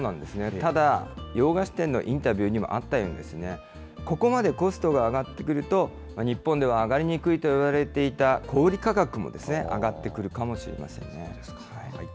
ただ、洋菓子店のインタビューにもあったように、ここまでコストが上がってくると、日本では上がりにくいといわれていた小売り価格も上がってくるかもしれませんね。